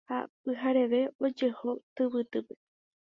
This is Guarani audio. ha pyhareve ojeho tyvytýpe